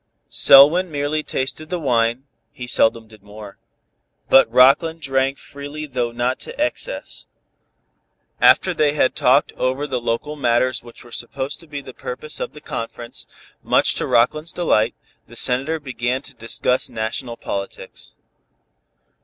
Selwyn merely tasted the wine (he seldom did more) but Rockland drank freely though not to excess. After they had talked over the local matters which were supposed to be the purpose of the conference, much to Rockland's delight, the Senator began to discuss national politics.